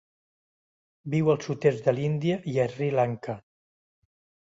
Viu al sud-est de l'Índia i a Sri Lanka.